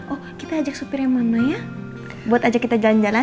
oh kita ajak supirnya mama ya buat ajak kita jalan jalan